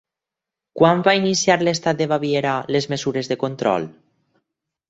Quan va iniciar l'estat de Baviera les mesures de control?